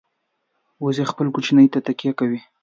وزې خپل کوچني ته تکیه کوي